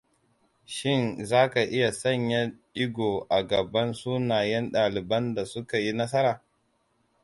Shin za ka iya sanya digo a gaban sunayen ɗaliban da suka yi nasara?